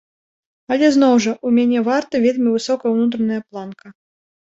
Але зноў жа, у мяне варта вельмі высокая ўнутраная планка.